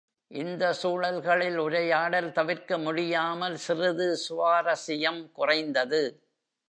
இந்த சூழல்களில் உரையாடல் தவிர்க்கமுடியாமல் சிறிது சுவாரஸியம் குறைந்தது.